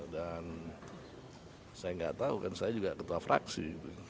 dan saya enggak tahu kan saya juga ketua fraksi